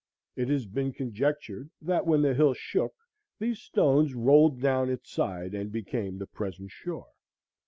It has been conjectured that when the hill shook these stones rolled down its side and became the present shore.